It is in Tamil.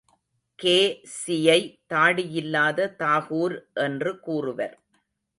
கே. சியை தாடியில்லாத தாகூர் என்று கூறுவர்.